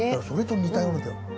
それと似たような。